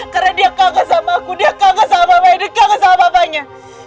karena dia kaget sama aku dia kaget sama wadid kaget sama banya